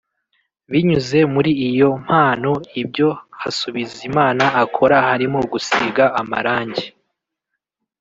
Binyuze muri iyo mpano ibyo Hasubizimana akora harimo gusiga amarangi